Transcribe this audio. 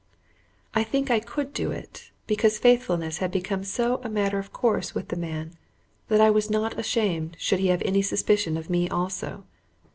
I think I could do it, because faithfulness had become so a matter of course with the man that I was not ashamed should he have any suspicion of me also.